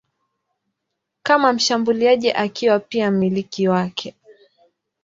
kama mshambuliaji akiwa pia mmiliki wake.